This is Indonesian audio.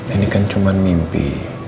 ini kan cuman mimpi